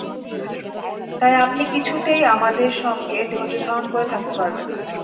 তাই আপনি কিছুতেই আমার সঙ্গে ধৈর্যধারণ করে থাকতে পারবেন না।